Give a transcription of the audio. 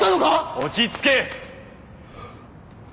⁉落ち着けッ！